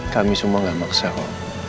kami semua gak maksa kok